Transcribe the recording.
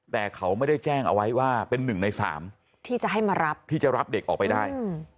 แต่เขาไม่ได้แจ้งเอาไว้ว่าเป็นหนึ่งในสามที่จะให้มารับที่จะรับเด็กออกไปได้